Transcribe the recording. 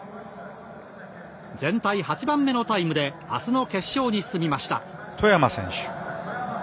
全体８番目のタイムであすの決勝に進みました。